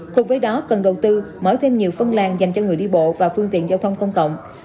cùng với đó cần đầu tư mở thêm nhiều phân làng dành cho người đi bộ và phương tiện giao thông công cộng